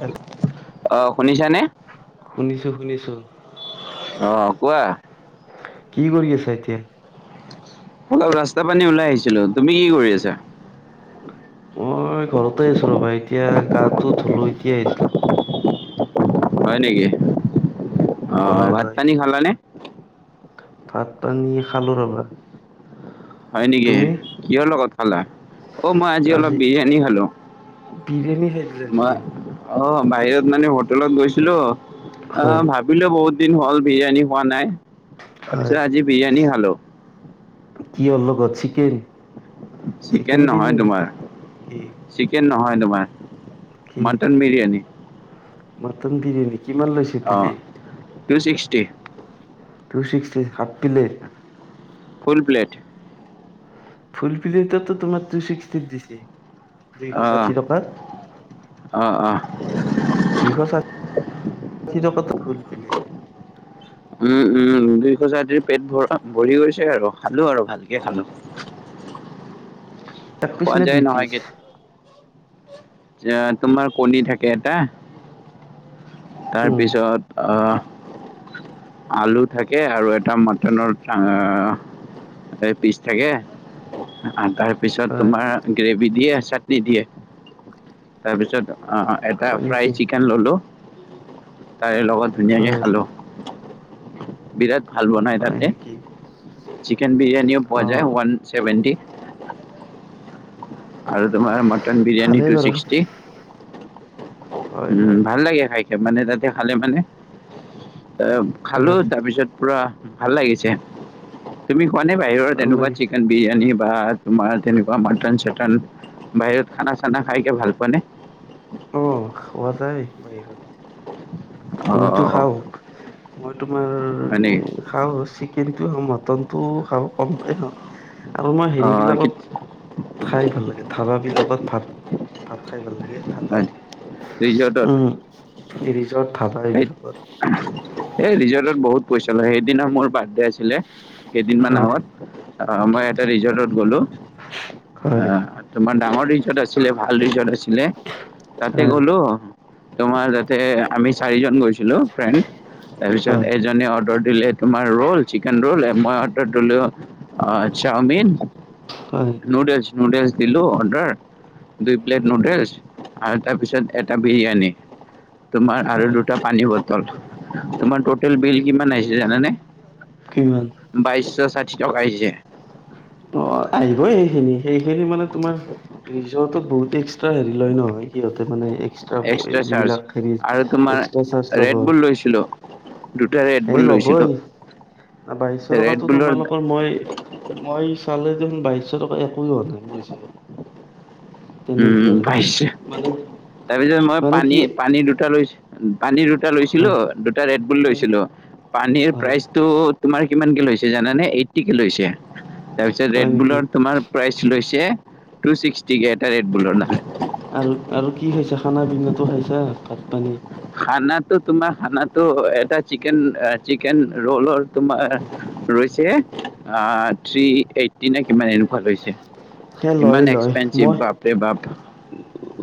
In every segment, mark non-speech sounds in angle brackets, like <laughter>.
হেল অ শুনিছানে শুনিছো শুনিছো অ কোৱা কি কৰি আছা এতিয়া অলপ ৰাস্তা পানী ওলাই আহিছিলো তুমি কি কৰি আছা মই ঘৰতে আছো ৰবা এতিয়া গা টো ধলো এতিয়া এছি হয় নেকি অ হয় ভাত হয় পানী খালানে? ভাত পানী খালো ৰবা হয় নেকি তুমি? কিহৰ লগত খালা অ' মই আজি অলপ বিৰিয়ানী খালোঁ বিৰিয়ানী খাই দিলে নেকি অ বাহিৰত মানে হোটেলত গৈছিলো অ হয় ভাব বিলও বহুত দিন হ'ল বিৰিয়ানী খৱা নাই তাৰপিছত হয় আজি বিৰিয়ানী খালো কিহৰ লগত চিকেন চিকেন নহয় তোমাৰ কি চিকেন নহয় তোমাৰ কি মটন বিৰিয়ানী মটন বিৰিয়ানি কিমান লৈছে অঁ টু ছিক্সটি টো sixty half plate full plate full প্লেটতো তোমাৰ তু চিক্স টি দিছে দুইশ অ ষাঠি টকা অ অ দুইশ ষাঠি টকাতো ফুল পিলেত উম উম দুইশ সঠি টকাত পেট ভৰা ভৰি গৈছে আৰু খালো আৰু ভালকে খালো এক পিচ খোৱা নে যায় দুই নহয় পিচ কেত তোমাৰ কণী থাকে এটা তাৰ উম পিছত আহ আলু থাকে আৰু এটা মাটনৰ এ পিচ থাকে তাৰপিছত হয়। তোমাৰ গ্ৰেভি দিয়ে চাটনি দিয়ে তাৰপিছত আ আ এটা হয় নেকি? ফ্ৰাই চিকেন ললোঁ তাৰ লগত ধুনীয়াকে হয়, খালোঁ বিৰাট ভাল বনাই হয় তাতে নেকি? চিকেন বিৰিয়ানীও পোৱা যায় অ', ওৱান চেভেণ্টি আৰু তোমাৰ মটন বিৰিয়ানী ভালেই টু বাৰু। ছিক্সটি হয়, উম হয়, ভাল লাগে খাইকে মানে তাতে খালে মানে আহ খালো হয়, তাৰ পিছত পুৰা ভাল লাগিছে তুমি খোৱা নে বাহিৰৰ ভাল তেনেকুৱা লাগিছে। চিকেন বিৰিয়ানী বা তোমাৰ তেনেকুৱা মাটন চাটন বাহিৰত খানা চানা খাইকে ভাল পোৱা নে অ খোৱা যায় অ বাহিৰত অ মইতো অ খাও মই তোমাৰ হয়। উম, খাওঁ চিকেনটো খাওঁ মটনটোও খাওঁ কমকে খাওঁ আৰু মই অ হেৰি বিলাকত কি- খাই ভাল লাগে ধাবাবিলাকত ভাত ভাত খাই ভাল লাগে হয়। ঠাণ্ডাত ৰিজৰ্টত এই জত ভাবা এইবিলাকত এ ৰিজতত বহুত পইচা লয় সেইদিনা মোৰ বাৰ্থডেত- লে কেইদিনমান হয়, আগত অ মই এটা ৰিজৰ্টত গ'লো। হয়, অঁ তোমাৰ ডাঙৰ ৰিজৰ্ট আছিলে ভাল ৰিজৰ্ট আছিলে তাতে হয়, গলো- তোমাৰ যাতে আমি চাৰিজন গৈছিলো ফ্ৰেণ্ড তাৰপিছত, হয়, এজনে অৰ্ডা- দিলে তোমাৰ ৰোল চিকেন ৰোল এ ময় অৰ্ডাৰ দিলোঁ এ চাওমিন- হয়। নুডেলছ নুডেলছ দিলোঁ অৰ্ডাৰ। দুই প্লেট নুডেলছ আৰু তাৰপিছত এটা বিৰিয়ানী। তোমাৰ আৰু হয়, দুটা পানী বটল। তোমাৰ টটেল বিল কিমান আহিছে জানানে? কিমান? বাইছশ ষাঠি টকা আহিছে। অঁ আহিবই সেইখিনি সেইখিনি মানে তোমাৰ- ৰিজতত বহুত এক্সট্ৰা হেৰি লয় নহয় সিহঁতে মানে এক্স- ট্ৰাপ এক্সট্ৰা এ চাৰ্জ যিবিলাক হেৰী আৰু তোমাৰ এক্সট্ৰা চাৰ্জ ল'ব। ৰেড বুল লৈছিলোঁ দুটা ৰেডবুল লৈছিলো। না বাইশশ টকাতো তোমালোকৰ মই- মই চালে দেখোন বাইশ টকা একোৱে হোৱা নাই মোৰ হিচাপত। তেনেকুৱা উম' লাগিছে পাইছে, মানে তাৰপিছত মই মানে কি পানী পানী দুটা লৈছি- পানী দুটা লৈছিলো হয় দুটা ৰেডবুল হয় লৈছিলো। পানীৰ হয় প্ৰাইচটো তোমাৰ কিমান কে লৈছে জানানে? এইট্টিকে লৈছে। তাৰপিছত হয় নেকি ৰেডবুলত তোমাৰ প্ৰাইচ লৈছে টু ছিক্সটিকে এটা ৰেডবুলৰ দাম। আৰ আৰু কি খাইছা খানা পিনাটো খাইছা ভাত পানী। খানাটো তোমাৰ খানাটো এটা চিকেন চিকেন ৰোলৰ তোমাৰ- ৰৈছে আঁ থ্ৰী এইট। টিনে কিমান এনেকুৱা লৈছে সেই লয় ইমান লয় মই এক্সপেঞ্চিভ বাপৰে বাপ।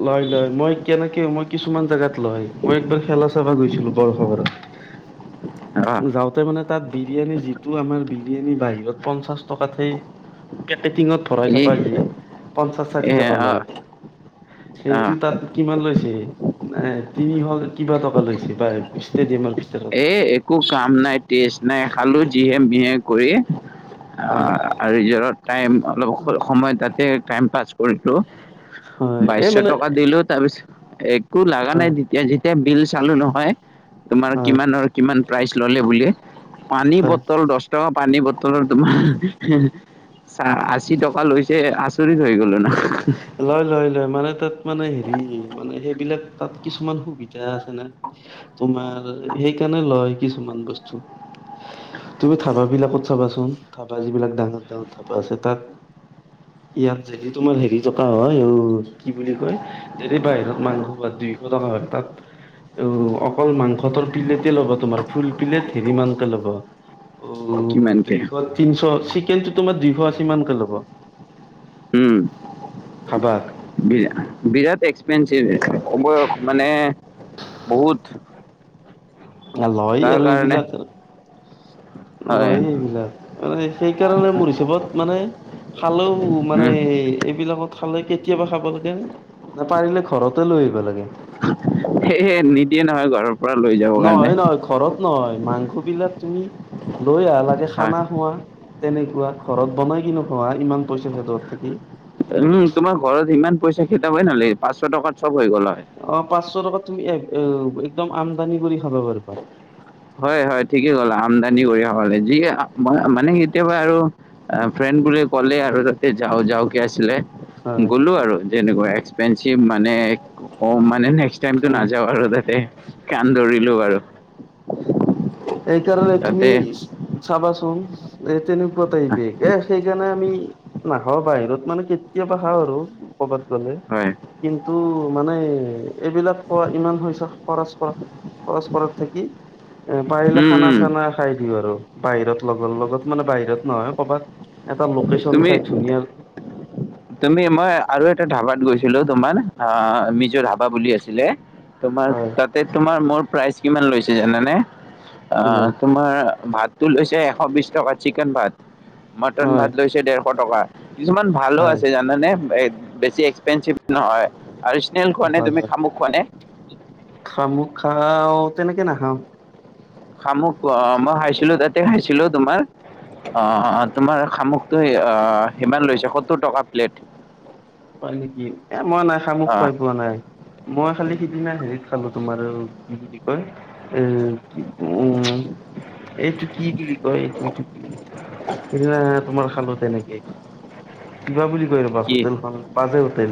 লয় লয়, মই কেনেকে মই কিছুমান জাগাত লয় মই একবাৰ খেলা- চাব গৈছিলো বৰসবাৰত। অঁ যাওঁত- তে মানে তাত বিৰিয়ানী যিটো আমাৰ বিৰিয়ানী বাহিৰত পঞ্চাশ টকাতে পেকেটিঙত- ভৰাই এই থকা যি পঞ্চাশ ষাঠি টকা অঁ লয় সেইটো অঁ তাত- কিমান লৈছে নাই তিনিশ কিবা টকা লৈছে বা ষ্টেডিয়ামৰ ফিচ। এ একো কাম নাই টেজ নাই খালোঁ যিহে মিহে কৰি। হয় আৰু ৰিজত টাইম অলপ সময় তাতে টাইম পাছ কৰিলোঁ। হয় বাইশ এই মানে টকা দিলো তাৰপিছত- একো লগা নাই হয় তেতিয়া যেতিয়া বিল চালো নহয় তোমাৰ- হয় ধৰ কিমান প্ৰাইচ ললে বুলি পানী হয় বটল দছ- টকা পানী বটলৰ তোমাৰ আশী টকা লৈছে। চৰিত হৈ গলো না। লয় লয় লয়, মানে তাত মানে হেৰি মানে সেইবিলাক তাত কিছুমান সুবিধা আছে না। তোমাৰ সেইকাণে লয় কিছুমান বস্তু। তুমি ধাবাবিলাকত চাবাচোন ধাবা যিবিলাক ডাঙৰ ডাঙৰ ধাবা আছে তাত- ইয়াত যদি তোমাৰ হেৰি থকা হয়, অও কি বুলি কয়? যদি বাহিৰত মাংস ভাত দুইশ টকা হয় তাত। অও অকল মাংসটোৰ প্লেটে ল'বা তোমাৰ ফুল পিলেট হেৰি মানকে ল'ব, - অ' কিমানকে দুইশ তিনিশ চিকেনটো তোমাৰ দুইশ আশী মানকে ল'ব। উম, ধাবাত বিৰাট এক্স ঞ্চ অ বয়স মানে বহুত- আৰু লয় তাৰ আৰু কাৰণে এইবিলাক, হয় লয় এইবিলাক। মানে সেইকাৰণে মোৰ হিচাপত মানে- খালেও মানে উম এইবিলাকত খালে কেতিয়াবা খাব লাগে। নাপাৰিলে ঘৰতে লৈ আহিব লাগে। সে নিদিয়ে নহয় ঘৰত। নহয় নহয় ঘৰত নহয় মাংস বিলাক তুমি- লৈ আহা লাগিলে হয় খানা খোৱা। তেনেকুৱা ঘৰত বনাই কিনো খোৱা ইমান পইচা সেদুৱাত থাকি। উম তোমাৰ ঘৰত ইমান পইচা খেদাবই নালাগে পাঁচশ টকা চব হৈ গ'ল হয়। অ পাঁচশ টকাত তুমি একদম আমদানি কৰি খাবা পাৰিবা। হয় হয় ঠিকেই কলা আমদানি কৰি খাব লাগে যি মানে কেতিয়াবা আৰু- ফ্ৰেণ্ড বোৰে ক'লে আৰু তাতে যাওঁ যাওঁকৈ আছিলে হয় গ'লোঁ আৰু। তেনেকুৱা এক্সপেঞ্চিভ মানে মানে নেক্স টাইমটো হয় নাযাওঁ আৰু তাতে। কাণ ধৰিলো বাৰু। এইকাৰণে তুমি তাতে চাবাচোন এ তেনে কুৱাই তাইপে এ সেইকাৰণে আমি- নাখাওঁ বাহিৰত মানে কেতিয়াবা খাওঁ আৰু কৰ'বাত গ'লে। হয়। কিন্তু মানে এইবিলাক খোৱা ইমান হৈছে খৰচ কৰা। খৰচ কৰা থাকি- এ পাৰিলে উম খানা উম চানা খাই দিওঁ আৰু বাহিৰত লগৰ লগত মানে বাহিৰত নহয় কৰবাত- এটা লোকেশ্যন তুমি চাই ধুনীয়াকে। তুমি মই আৰু এটা ধাবাত গৈছিলো তোমাৰ অ মিজু ধাবা বুলি আছিলে। তোমাৰ হয় তাতে তোমাৰ মোৰ প্ৰাইজ কিমান লৈছে জানানে। আহ কিমান তোমাৰ ভাতটো লৈছে এশ বিশ টকা চিকেন ভাত- ন হয় ভাত লৈছে ডেৰশ টকা কিছুমান ভালো হয় আছে জানানে বেছি এক্সপেঞ্চিভ- নহয়, আৰু চ্নেল খোৱা নে তুমি খামুক খোৱা নে? খামুক খাওঁ তেনেকে নাখাওঁ। খামুক অ মই খাইছিলো তাতে খাইছিলো তোমাৰ, অ- তোমাৰ শামুকটো অ সিমান লৈছে সত্তৰ টকা প্লেট। হয় নেকি এ মই নাই শামুক অ খাই পোৱা নাই। মই খালি সিদিনা হেৰিত খালো তোমাৰ কি বুলি কয় এ- উম, এইটো কি বুলি কয় এইটো কি- সেইদিনা তোমাৰ খালো তেনেকেই, কিবা বুলি কৈ ৰ'বা কি হোটেলখন। বাজৈ হোটেল,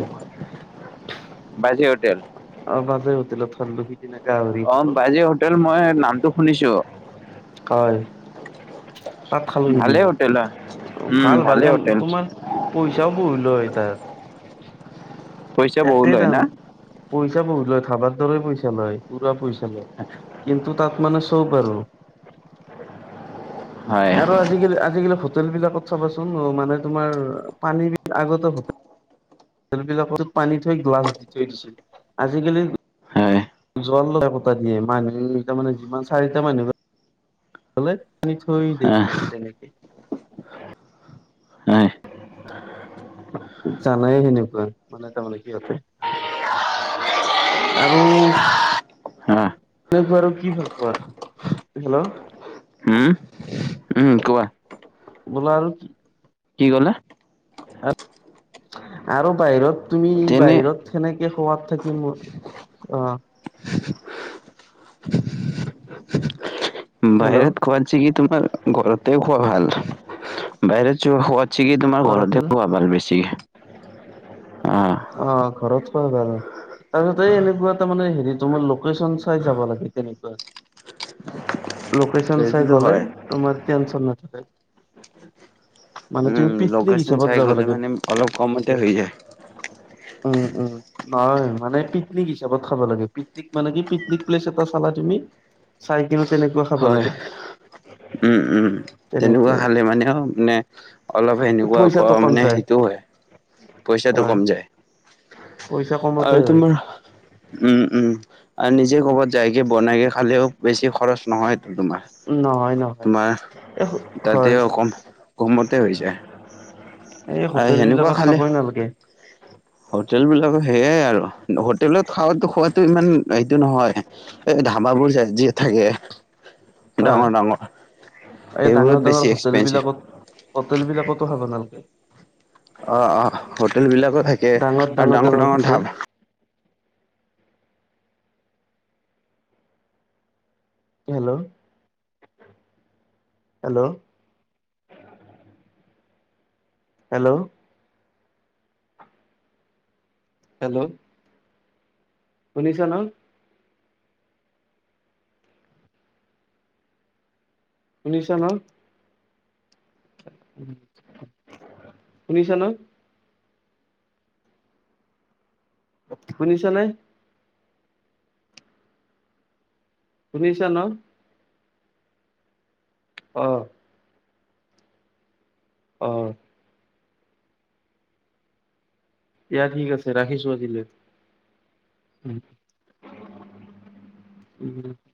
বাজে হোটেল অ বাজৈ হোটেলত খালো। সিদিনা গাহৰি অ খালো বাজৈ হোটেল মই নামটো শুনিছো। হয়, তাত খালো ভালে সিদিনা হোটেল হয় উম ভাল ভাল ভালে এ হোটেল তোমাৰ- পইচাও বহুত লয় তাত, পইচা বহু একে লয় দাম। না পইচা বহুত লয় ধাবাৰ দৰে পইচা লয় পোৰা পইচা লয়। আচ্ছা। কিন্তু তাত মানে চব আৰু, হয় আৰু- আজি‌ কালি হোটেল বিলাক চাবাচোন মানে তোমাৰ পানী হ হোটেলবিলাকত পানী থৈ গ্লাছ দি থৈ দিছিল আজিকালি- হয় জল লগ পত দিয়ে মানুহ তাৰমানে যিমান চাৰিটা মানুহলে, পানী থৈ দেই আহ তোমাৰ তেনেকে। হয়। জানাই সেনেকুৱা মানে তাৰমানে সিহঁতে, আৰু আহ আৰু কি ভাল পোৱা? হেল্ল', উম উম, কোৱা? বোল আৰু কি <unintelligible> কি কলে? আৰু বাহিৰত তুমি তেনে বাহিৰত সেনেকে সোৱাত থাকি মোৰ অ', হেল্ল' বাহিৰত খোৱা কি তোমাৰ ঘৰতে খোৱা ভাল। বাহিৰত খো চিগি তোমাৰ ঘৰতে খোৱা ভাল বেছি অ', অ, ঘৰত খোৱা ভাল। তাৰপিছত এই এনেকুৱা এটা মানে হেৰি তোমাৰ লোকেশ্যন চাই যাব লাগে তেনেকুৱা। লোকেশ্যন চাই সেইটোতো গ'লে হয় তোমাৰ টেনশন নাথাকে। মানে উম তুমি পিকনিক লোকেশ্যন চাই হিচাপত যাব গ'লে লাগে। মানে অলপ কমতে হৈ যায়। উম, উম, নহয় মানে পিকনিক হিচাপত খাব লাগে। পিকনিক মানে কি পিকনিক প্লেচ এটা চালা তুমি, চাইকিনে তেনেকুৱা খাব হয় লাগে। উম, উম, তেনেকুৱা হলে মানেও মে অলপ সেনেকুৱা পইচাটো অকৰা কম মানে যায় সেইটো হয়। পইচাটো হয় কম যায় পইচা কমতে আৰু হয় তোমাৰ উম, উম, আৰু নিজে ক'বাত যাইকে বনাইকে খালেও বেছি খৰচ নহয়টো তোমাৰ। নহয় নহয় তোমাৰ এ তাতে হয় অ, কম কমতে হৈ যায়। এই আৰু হোটেল সেনেকুৱা বিলাকত খালে খাবই নালাগে। হোটেল বিলাকৰ সেইয়াই আৰু হোটেলত খাৱাটো খোৱাতো ইমান এইটো নহয়। এই ধাবাবোৰ যায় যিয়ে থাকে। হয় এই ডাঙৰ-ডাঙৰ ডাঙৰ এইবোৰত ডাঙৰ বেছি হোটেল এক্সপেনঞ্চিভ। বিলাকত হোটেল বিলাকতো খাবা নালাগে। অ, অ, হোটেল বিলাকো থাকে আৰু ডাঙৰ ডাঙৰ dhaba hello, hello, hello, hello, শুনিছ ন? শুনিছ ন? শুনিছ ন? শুনিছ নে? শুনিছা ন? অ', অ', দিয়া ঠিক আছে ৰাখিছো আজিলে। উম, উম।